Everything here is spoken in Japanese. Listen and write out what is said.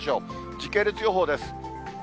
時系列予報です。